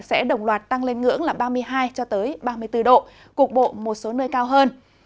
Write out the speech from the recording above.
sẽ đồng loạt tăng lên ngưỡng là ba mươi hai ba mươi bốn độ cục bộ một số nơi cao hơn